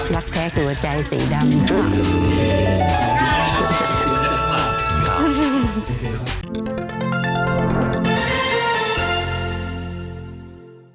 รักแท้คือใจสีดำนะครับ